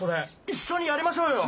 一緒にやりましょうよ。